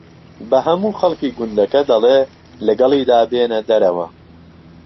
بە ھەموو خەڵکی گوندەکە دەڵێ لەگەڵیدا بێنە دەرەوە